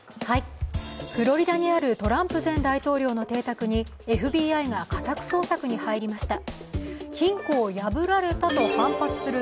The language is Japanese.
フロリダにあるトランプ前大統領の邸宅にＦＢＩが家宅捜索に入りました。